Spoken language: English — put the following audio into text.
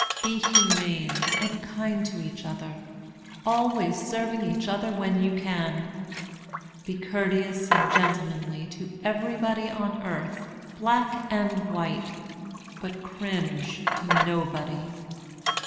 Be humane and kind to each other, always serving each other when you can. Be courteous and gentlemanly to everybody on earth, black and white, but cringe to nobody.